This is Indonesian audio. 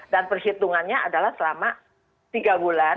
dan perhitungannya adalah selama tiga bulan